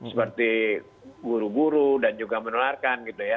seperti guru guru dan juga menularkan gitu ya